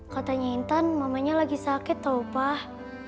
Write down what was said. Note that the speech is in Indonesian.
katanya intan mamanya lagi sakit tau pak